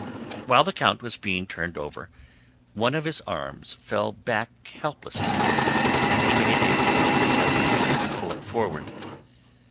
While the count was being turned over, one of his arms fell back helplessly and he made a fruitless effort to pull it forward.